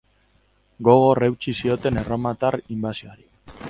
Gogor eutsi zioten erromatar inbasioari.